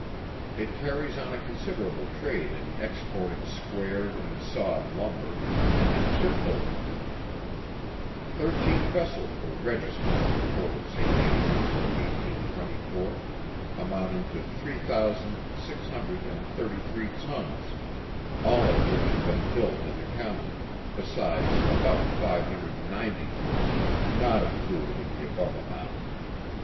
It carries on a considerable trade in exporting squared and sawed lumber, and in ship building thirteen vessels were registered in the Port of Saint Andrews in 1824, amounting to three thousand six hundred and thirty three tons, all of which had been built in the County, besides about five hundred and ninety tons, not included in the above amount.